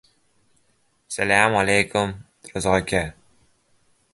It was formerly a banana plantation.